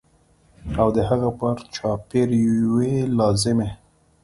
او د هغه پر چاپېر یوې لازمي